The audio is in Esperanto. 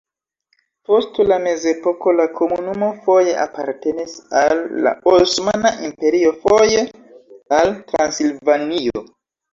Post la mezepoko la komunumo foje apartenis al la Osmana Imperio, foje al Transilvanio.